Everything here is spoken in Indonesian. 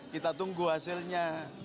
kita tunggu hasilnya